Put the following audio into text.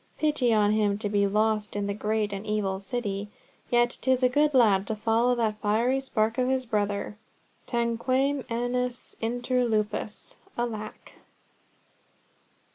Pity on him to be lost in the great and evil City! Yet 'tis a good lad to follow that fiery spark his brother. Tanquam agnus inter lupos. Alack!"